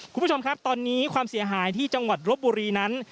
คุณผู้ชมครับตอนนี้ความเสียหายที่จังหวัดรบบุรีนั้น